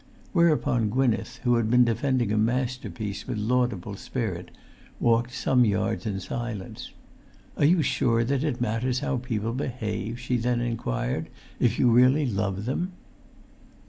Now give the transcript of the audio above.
Whereupon Gwynneth, who had been defending a masterpiece with laudable spirit, walked some yards in silence. "Are you sure that it matters how people behave," she then inquired, "if you really love them?"